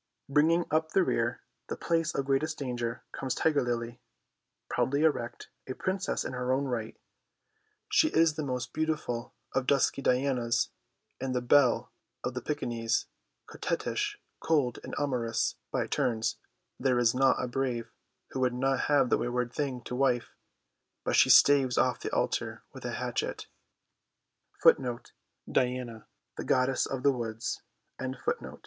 Bringing up the rear, the place of greatest danger, comes Tiger Lily, proudly erect, a princess in her own right. She is the most beautiful of dusky Dianas and the belle of the Piccaninnies, coquettish, cold and amorous by turns; there is not a brave who would not have the wayward thing to wife, but she staves off the altar with a hatchet.